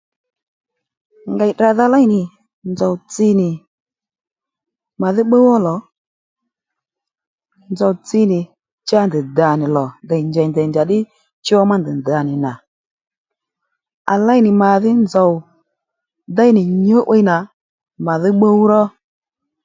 Ngèy tdràdha léy nì nzòw tsi nì màdhí pbúw ó lò nzòw tsi nì cha ndèy dà nì lò ndèy njèy ndèy chaddí cho má ndèy dànì nà à léy nì madhí nzòw déy nì nyǔ'wiy nà màdhí pbúw ró